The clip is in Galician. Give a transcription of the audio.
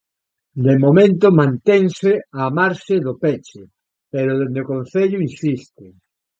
De momento mantense á marxe do peche, pero dende o Concello insisten.